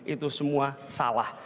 itu semua salah